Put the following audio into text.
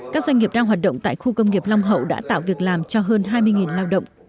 các doanh nghiệp đang hoạt động tại khu công nghiệp long hậu đã tạo việc làm cho hơn hai mươi lao động